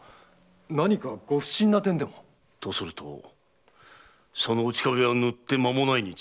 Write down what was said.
何かご不信な点でも？とするとその内壁は塗って間もないに違いない。